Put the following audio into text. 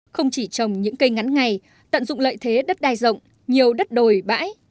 không chỉ trồng những cây ngắn ngày tận dụng lợi thế đất đai rộng nhiều đất đồi bãi